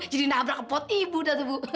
jadi nabrak ke pot ibu dateng bu